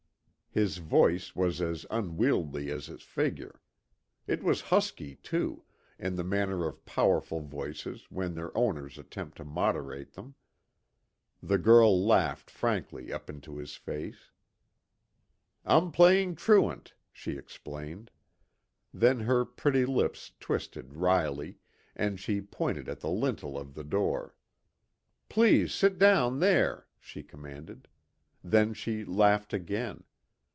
His voice was as unwieldy as his figure; it was husky too, in the manner of powerful voices when their owners attempt to moderate them. The girl laughed frankly up into his face. "I'm playing truant," she explained. Then her pretty lips twisted wryly, and she pointed at the lintel of the door. "Please sit down there," she commanded. Then she laughed again.